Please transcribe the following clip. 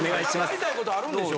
やりたいことあるんでしょ？